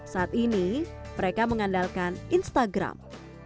saat ini mereka mengandalkan instagram